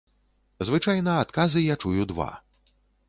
Звычайна адказы я чую два.